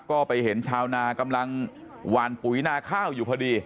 ก็ไปเห็นชาวนากำลังหวานปุ๋ยนาข้าวอยู่พอดี